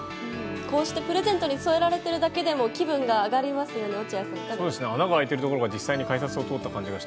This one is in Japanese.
こうしてプレゼントで添えられているだけでも気分が上がりますよね。